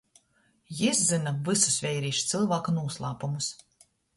Jis zyna vysus veirīša cylvāka nūslāpumus.